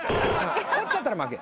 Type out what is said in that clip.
折っちゃったら負け。